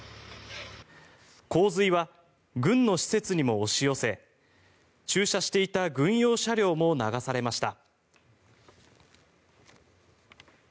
洪水は軍の施設にも押し寄せ駐車していた軍用車両も流されました。